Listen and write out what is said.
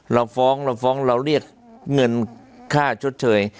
เราฟ้องเราฟ้องเราเรียกเงินค่าชดเชย